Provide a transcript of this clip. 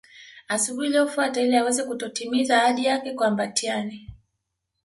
Asubuhi iliyofuata ili aweze kutotimiza ahadi yake kwa Mbatiany